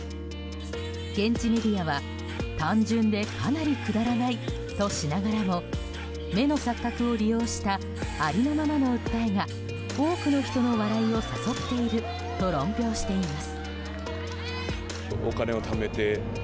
現地メディアは、単純でかなりくだらないとしながらも目の錯覚を利用したありのままの訴えが多くの人の笑いを誘っていると論評しています。